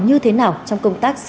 như thế nào trong công tác